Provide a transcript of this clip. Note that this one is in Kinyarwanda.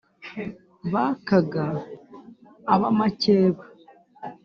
Bakaga ab’amakeba,